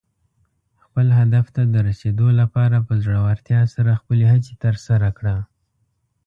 خپل هدف ته د رسېدو لپاره په زړۀ ورتیا سره خپلې هڅې ترسره کړه.